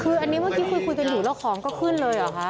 คืออันนี้เมื่อกี้คุยกันอยู่แล้วของก็ขึ้นเลยเหรอคะ